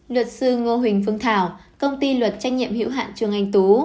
luật sư ngô huỳnh phương thảo công ty luật trách nhiệm hiệu hạn trường anh tú